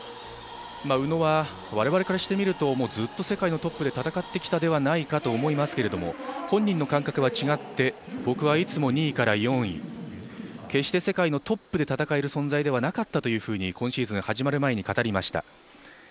宇野は我々からしてみるとずっと世界のトップで戦ってきたではないかと思いますが本人の感覚は違って僕はいつも２位から４位。決して世界のトップで戦える存在ではなかったと今シーズン始まる前に語りました。